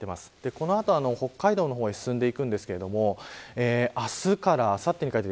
この後、北海道の方に進んでいきますが明日からあさってにかけて。